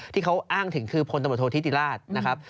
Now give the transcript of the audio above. ที่เขาอ้างถึงคือพลตำรวจโทษธิติราชนะครับ